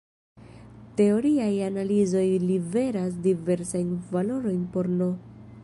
Teoriaj analizoj liveras diversajn valorojn por "n".